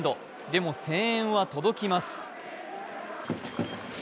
でも声援は届きます。